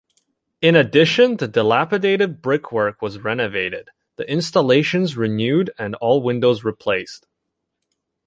In addition, the dilapidated brickwork was renovated, the installations renewed and all windows replaced.